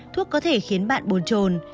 thuốc có thể khiến bạn buồn trồn